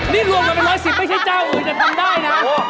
นี่รวมกันเป็น๑๑๐ไม่ใช่เจ้าอื่นแต่ทำได้นะ